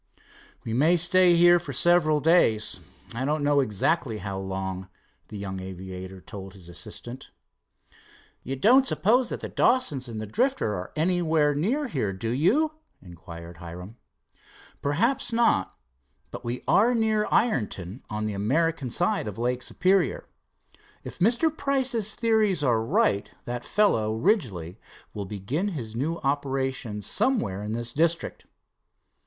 "We may stay here for several days, I don't know exactly how long," the young aviator told his assistant. "You don't suppose that the Dawsons and the Drifter are anywhere near here, do you?" inquired Hiram. "Perhaps not, but we are near Ironton, on the American side of Lake Superior. If Mr. Price's theories are all right, that fellow, Ridgely, will begin his new operations somewhere in this district."